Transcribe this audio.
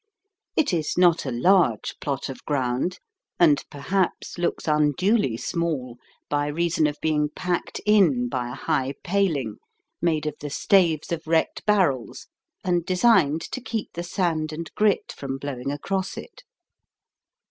It is not a large plot of ground, and perhaps looks unduly small by reason of being packed in by a high paling, made of the staves of wrecked barrels and designed to keep the sand and grit from blowing across it.